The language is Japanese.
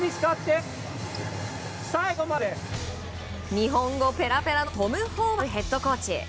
日本語ペラペラのトム・ホーバスヘッドコーチ。